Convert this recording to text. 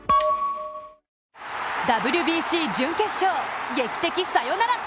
ＷＢＣ準決勝、劇的サヨナラ。